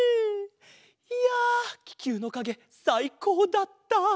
いやききゅうのかげさいこうだった。